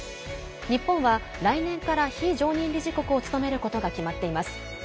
日本は、来年から非常任理事国を務めることが決まっています。